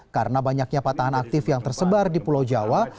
karena banyaknya patahan aktif yang tersebar di pulau jawa